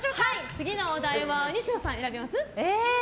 次のお題は西野さん選びます？